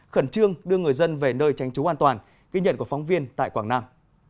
khẩn trương đưa người dân về nơi tránh trú an toàn ghi nhận của phóng viên tại quảng nam